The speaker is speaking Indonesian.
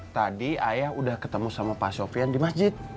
tadi ayah udah ketemu sama pak sofian di masjid